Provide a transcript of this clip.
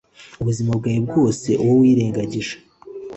ubuzima bwawe bwose, uwo wirengagije